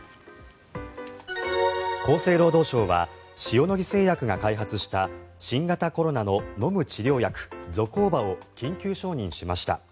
厚生労働省は塩野義製薬が開発した新型コロナの飲む治療薬ゾコーバを緊急承認しました。